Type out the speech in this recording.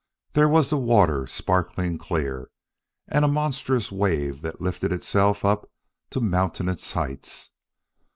There was the water, sparkling clear, and a monstrous wave that lifted itself up to mountainous heights.